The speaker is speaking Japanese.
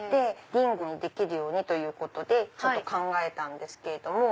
リングにできるようにということで考えたんです。